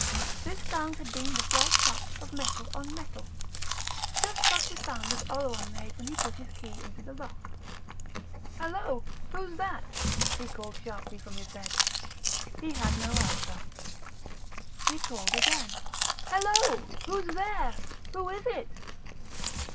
This sound had been the slight touch of metal on metal just such a sound as Oleron made when he put his key into the lock. "Hallo!... Who's that?" he called sharply from his bed. He had no answer. He called again. "Hallo!... Who's there?... Who is it?"